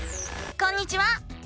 こんにちは！